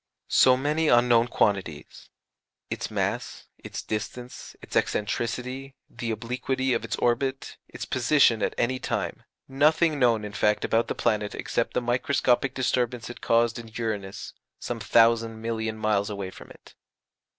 So many unknown quantities: its mass, its distance, its excentricity, the obliquity of its orbit, its position at any time nothing known, in fact, about the planet except the microscopic disturbance it caused in Uranus, some thousand million miles away from it.